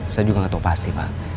saya juga nggak tahu pasti pak